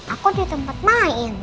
aku di tempat main